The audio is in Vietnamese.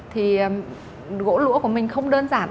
thì gỗ lũa của mình không đơn giản